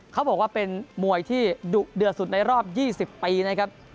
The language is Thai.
เขาบอกว่าเป็นมวยที่ดุเดือดสุดในรอบ๒๐ปีนะครับ